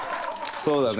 そうだね。